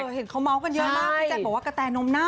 เออเห็นเขาเมาท์กันเยอะมากแจ้บบว่ากระแตนมน้ำ